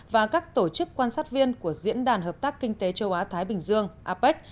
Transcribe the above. và các tổ chức quan sát viên của diễn đàn hợp tác kinh tế châu á thái bình dương apec